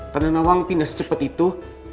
tandana wang pindah secepet itu